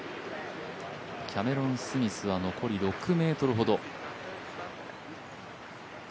キャメロン・スミスは残り６ｍほど。